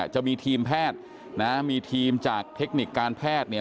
จะมีทีมแพทย์มีทีมจากเทคนิคการแพทย์